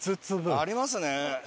ありますね。